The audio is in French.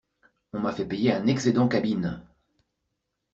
On m'a fait payer un excédent cabine!